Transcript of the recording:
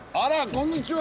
こんにちは！